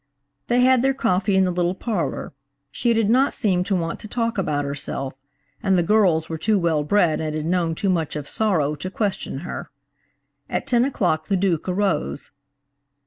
They had their coffee in the little parlor. She did not seem to want to talk about herself, and the girls were too well bred and had known too much of sorrow to question her. At ten o'clock the Duke arose.